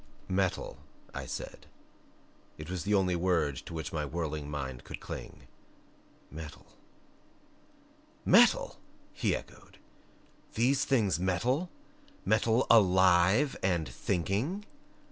"Metal," I said it was the only word to which my whirling mind could cling "metal " "Metal!" he echoed. "These things metal? Metal ALIVE AND THINKING!"